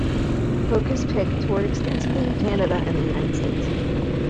Hokus Pick toured extensively in Canada and the United States.